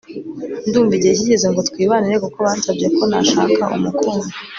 ndumva igihe kigeze ngo twibanire kuko bansabye ko nashaka umukunzi